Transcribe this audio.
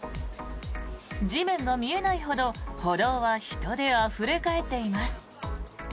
地面が見えないほど歩道は人であふれ返っています。